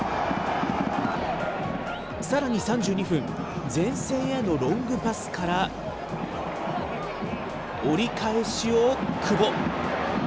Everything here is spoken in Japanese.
さらに３２分、前線へのロングパスから、折り返しを久保。